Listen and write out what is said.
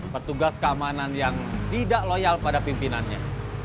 petugas keamanan yang tidak loyal pada pimpinannya